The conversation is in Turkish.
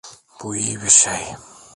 Bu iyi birşey.